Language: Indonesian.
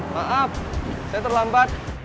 maaf saya terlambat